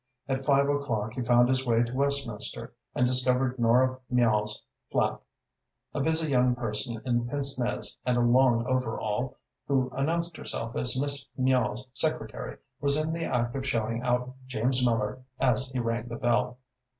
At five o'clock he found his way to Westminster and discovered Nora Miall's flat. A busy young person in pince nez and a long overall, who announced herself as Miss Miall's secretary, was in the act of showing out James Miller as he rang the bell.